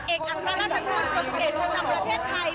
เอกอัครราชทูตโปรตูเกตประจำประเทศไทย